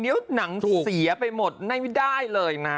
หนังเสียไปหมดไม่ได้เลยนะ